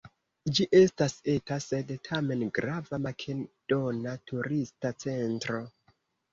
Ĝi estas eta sed tamen grava makedona turista centro.